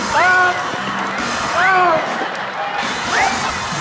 ห้าสอง